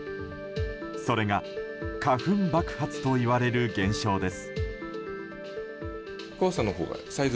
それが花粉爆発といわれる現象です。